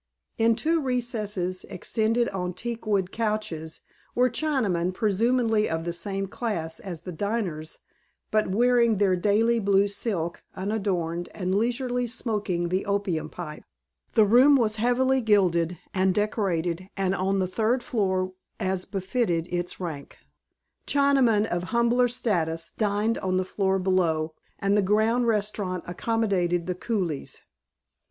In two recesses, extended on teakwood couches, were Chinamen presumably of the same class as the diners, but wearing their daily blue silk unadorned and leisurely smoking the opium pipe. The room was heavily gilded and decorated and on the third floor as befitted its rank. Chinamen of humbler status dined on the floor below, and the ground restaurant accommodated the coolies.